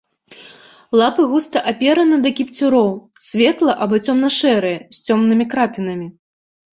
Лапы густа апераны да кіпцюроў, светла- або цёмна-шэрыя, з цёмнымі крапінамі.